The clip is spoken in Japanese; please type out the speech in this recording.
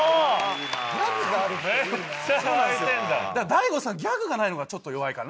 大悟さんギャグがないのがちょっと弱いかな。